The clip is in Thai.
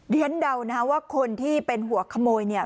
ฉันเดานะว่าคนที่เป็นหัวขโมยเนี่ย